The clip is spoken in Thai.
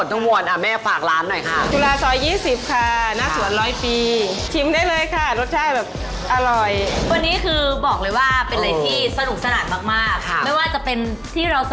ขอบคุณแม่อ้อยมากมากเลยครับขอบคุณค่า